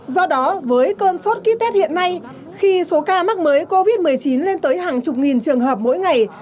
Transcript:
do đó với cơn sốt ký tết hiện nay khi số ca mắc mới covid một mươi chín lên tới hàng chục nghìn trường hợp mỗi ngày